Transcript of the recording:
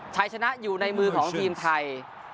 ชัยชนะอยู่ในมือของทีมไทย